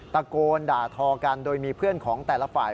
ตะโกนด่าทอกันโดยมีเพื่อนของแต่ละฝ่าย